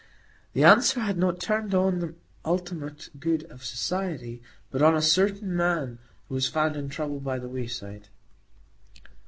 The answer had not turned on the ultimate good of Society, but on "a certain man" who was found in trouble by the wayside.